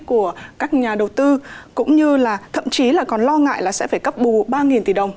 của các nhà đầu tư cũng như là thậm chí là còn lo ngại là sẽ phải cấp bù ba tỷ đồng